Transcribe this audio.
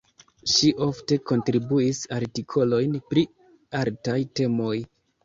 Ŝi ofte kontribuis artikolojn pri artaj temoj.